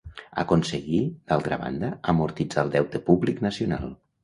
Aconseguí, d'altra banda, amortitzar el deute públic nacional.